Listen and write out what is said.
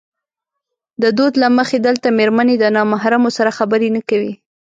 د دود له مخې دلته مېرمنې د نامحرمو سره خبرې نه کوي.